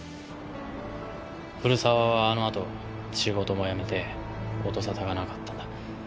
古沢はあのあと仕事も辞めて音沙汰がなかったんだ。